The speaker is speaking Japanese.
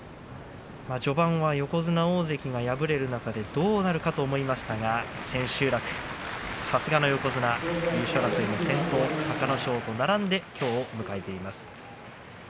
序盤は横綱、大関が敗れる中でどうなるかと思いましたが千秋楽さすがの横綱、優勝争いの先頭隆の勝と並んできょうを迎えています。